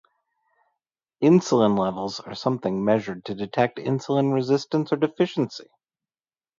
Insulin levels are sometimes measured to detect insulin resistance or deficiency.